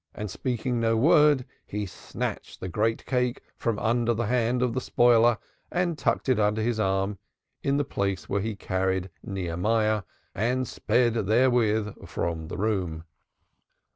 And speaking no word he snatched the great cake from under the hand of the spoiler and tucked it under his arm, in the place where he carried Nehemiah, and sped therewith from the room.